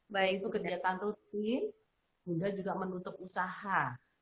baik kegiatan rutin juga menutup usaha